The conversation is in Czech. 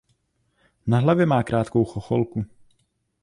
Na hlavě má krátkou chocholku.